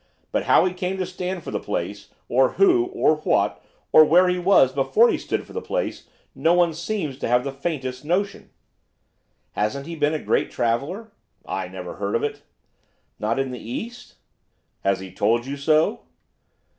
but how he came to stand for the place, or who, or what, or where he was before he stood for the place, no one seems to have the faintest notion.' 'Hasn't he been a great traveller?' 'I never heard of it.' 'Not in the East?' 'Has he told you so?